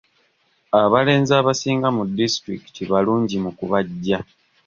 Abalenzi abasinga ku disitulikiti balungi mu kubajja.